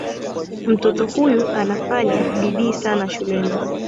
Mtoto huyu anafanya bidii sana shuleni.